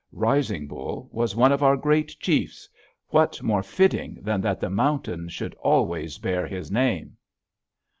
Rising Bull was one of our great chiefs: what more fitting than that the mountain should always bear his name?"